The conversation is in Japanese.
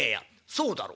「そうだろ。